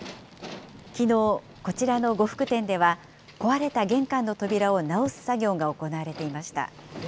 きのう、こちらの呉服店では、壊れた玄関の扉を直す作業が行われていました。